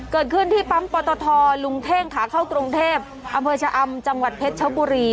เกิดขึ้นที่ปั๊มปตทลุงเท่งขาเข้ากรุงเทพอำเภอชะอำจังหวัดเพชรชบุรี